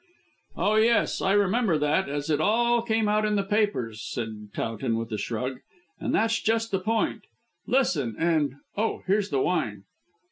"Oh, yes. I remember that as it all came out in the papers," said Towton with a shrug; "and that's just the point. Listen, and Oh, here's the wine."